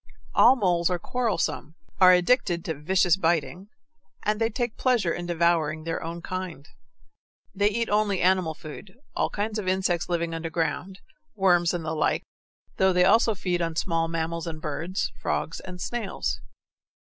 All moles are quarrelsome, are addicted to vicious biting, and they take pleasure in devouring their own kind. They eat only animal food, all kinds of insects living under ground, worms, and the like, though they also feed on small mammals and birds, frogs, and snails.